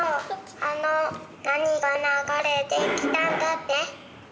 あの何が流れてきたんだっけ？